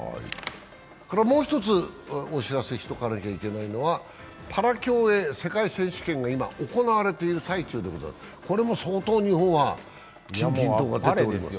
もう１つお知らせしておかなきゃいけないのは、パラ競泳世界選手権が行われている最中です、日本は金銀銅が出ております。